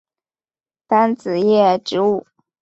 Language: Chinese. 单子叶植物。